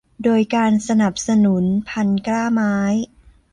โดยการสนับสนุน่พันธุ์กล้าไม้